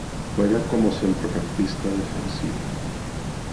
Juega como Centrocampista Defensivo.